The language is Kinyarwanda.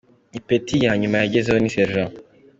Ipeti lya nyuma yagezeho ni Sergent.